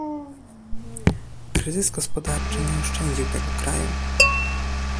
Kryzys gospodarczy nie oszczędził tego kraju